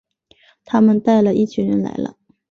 他们带了一群人来了